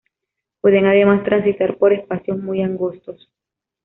Pueden además transitar por espacios muy angostos.